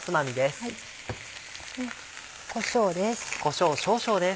こしょうです。